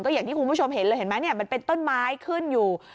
อย่างที่คุณผู้ชมเห็นเลยเห็นไหมเนี่ยมันเป็นต้นไม้ขึ้นอยู่